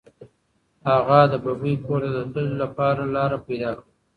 هغه د ببۍ کور ته د تللو لپاره لاره پیدا کړه.